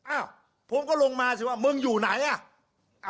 อ้าวผมก็ลงมาสิว่ามึงอยู่ไหนอ่ะ